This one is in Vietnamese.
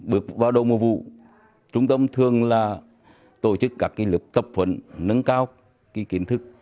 bước vào đầu mùa vụ trung tâm thường là tổ chức các lực tập phận nâng cao kiến thức